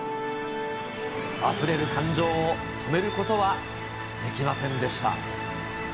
あふれる感情を止めることはできませんでした。